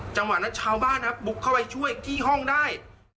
จังหวะนั้นชาวบ้านครับบุกเข้าไปช่วยที่ห้องได้